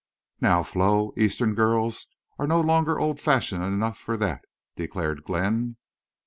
"Now, Flo, Eastern girls are no longer old fashioned enough for that," declared Glenn.